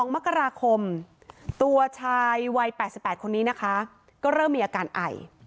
๒มกราคมตัวชายวัย๘๘คนนี้นะคะก็เริ่มมีอาการไอ